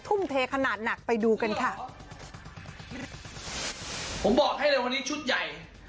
ทุ่มเทขนาดหนักไปดูกันค่ะผมบอกให้เลยวันนี้ชุดใหญ่